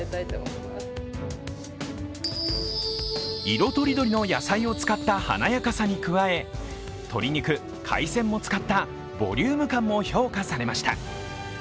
色とりどりの野菜を使った華やかさに加え鶏肉、海鮮も使ったボリューム感も評価されました。